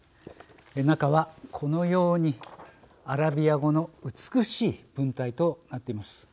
中はこのようにアラビア語の美しい文体となっています。